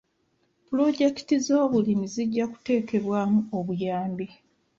Pulojekiti z'obulimi zijja kuteekebwamu obuyambi.